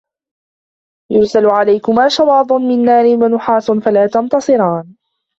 يُرْسَلُ عَلَيْكُمَا شُوَاظٌ مِنْ نَارٍ وَنُحَاسٌ فَلَا تَنْتَصِرَانِ